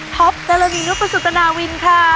พร้อมเจรมินุปสุตนาวิทย์